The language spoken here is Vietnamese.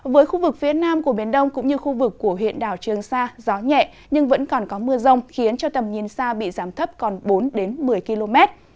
với khu vực phía nam của biển đông cũng như khu vực của huyện đảo trường sa gió nhẹ nhưng vẫn còn có mưa rông khiến cho tầm nhìn xa bị giảm thấp còn bốn một mươi km